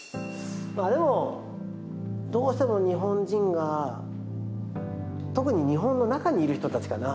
でもどうしても日本人が特に日本の中にいる人たちかな。